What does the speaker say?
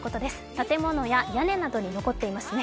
建物や屋根などに残っていますね。